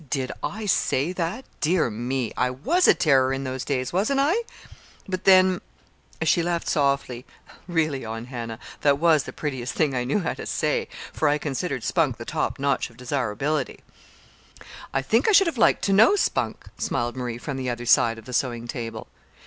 "Did I say that? Dear me! I was a terror in those days, wasn't I? But then," and she laughed softly, "really, Aunt Hannah, that was the prettiest thing I knew how to say, for I considered Spunk the top notch of desirability." "I think I should have liked to know Spunk," smiled Marie from the other side of the sewing table.